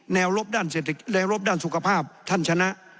แนวรบด้านสุขภาพท่านชนะ